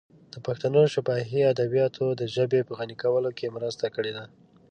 د پښتنو شفاهي ادبیاتو د ژبې په غني کولو کې مرسته کړې ده.